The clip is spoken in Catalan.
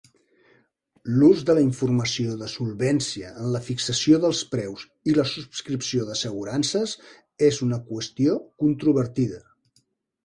L'ús de la informació de solvència en la fixació dels preus i la subscripció d'assegurances és una qüestió controvertida.